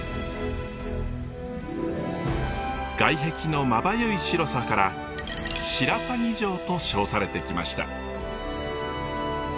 外壁のまばゆい白さから白鷺城と称されてきました。